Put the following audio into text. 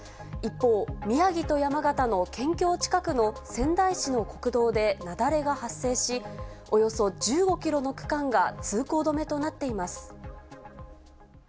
一方、宮城と山形の県境近くの仙台市の国道で雪崩が発生し、およそ１５キロの区間が通行止めとなっています。